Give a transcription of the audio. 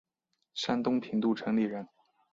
山东平度城里人。